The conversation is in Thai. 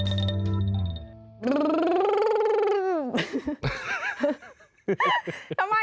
ไทยรับและแบบนี้ท่านสวัสดีมากทุกคน